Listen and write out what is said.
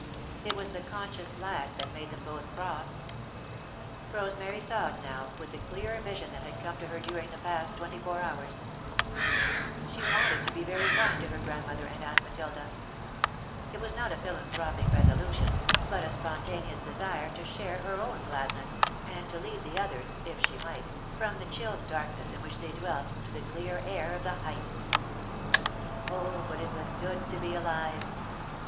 It was the conscious lack that made them both cross. Rosemary saw it now, with the clear vision that had come to her during the past twenty four hours. [Sidenote: The Joy of Living] She wanted to be very kind to Grandmother and Aunt Matilda. It was not a philanthropic resolution, but a spontaneous desire to share her own gladness, and to lead the others, if she might, from the chill darkness in which they dwelt to the clear air of the heights. Oh, but it was good to be alive!